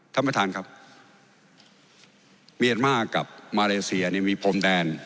ท่านประธานครับเมียนมาร์กับมาเลเซียเนี่ยมีพรมแดน